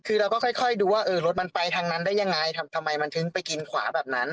เออรถมันไปทางนั้นได้ยังไงทำไมมันถึงไปกินขวาแบบนั้น